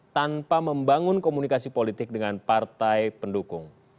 tanpa membangun komunikasi politik dengan partai pendukung